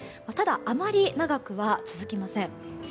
ただ、あまり長くは続きません。